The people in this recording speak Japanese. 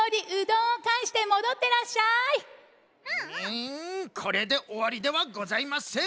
んこれでおわりではございません！